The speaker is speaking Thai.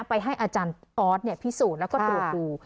ไปให้อาจารย์ออสพิสูจน์แล้วก็ตรวจดู